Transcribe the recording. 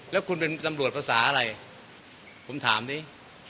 แล้วคุณเป็นตำรวจภาษาอะไรผมถามดิ